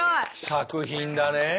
作品だねえ